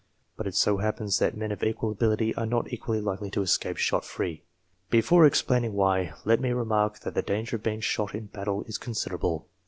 But it so happens that men of equal ability are not equally likely to escape shot free. Before explaining why, let me remark that the danger of being shot in battle is considerable.